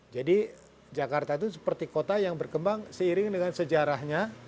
jadi jakarta itu seperti kota yang berkembang seiring dengan sejarahnya